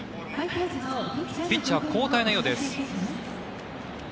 ピッチャー交代のようです。